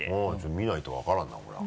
見ないと分からんなこれは。